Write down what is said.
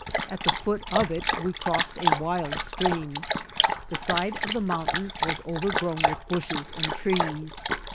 At the foot of it we crossed a wild stream. The side of the mount ain was overgrown with bushes and trees.